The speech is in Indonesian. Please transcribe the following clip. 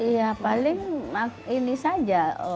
ya paling ini saja